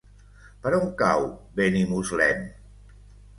Per on cau Benimuslem?